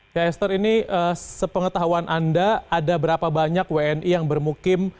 ya esther ini sepengetahuan anda ada berapa banyak wni yang bermukim